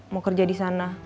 mau kerja di sana